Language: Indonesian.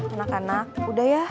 anak anak udah ya